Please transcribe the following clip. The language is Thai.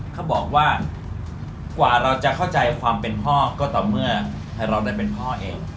เขาบอกว่ากว่าเราจะเข้าใจความเป็นพ่อก็ต่อเมื่อให้เราได้เป็นพ่อเอง